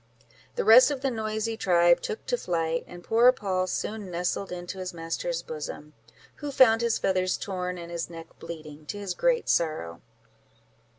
The rest of the noisy tribe took to flight, and poor Poll soon nestled into his master's bosom, who found his feathers torn, and his neck bleeding, to his great sorrow.